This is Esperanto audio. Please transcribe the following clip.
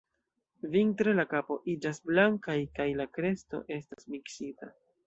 Vintre, la kapo iĝas blankaj kaj la kresto estas miksita.